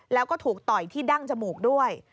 แล้วก็ถูกต่อยที่ดั้งจมูกด้วย